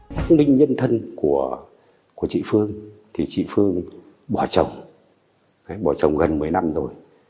xác minh nhân thân của chị phương thì chị phương bỏ chồng bỏ chồng gần một mươi năm rồi